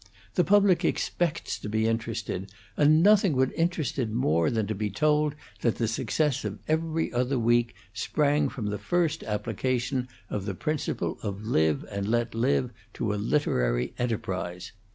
The public expects to be interested, and nothing would interest it more than to be told that the success of 'Every Other Week' sprang from the first application of the principle of Live and let Live to a literary enterprise.